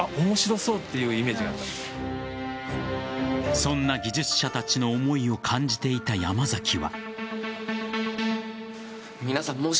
そんな技術者たちの思いを感じていた山崎は。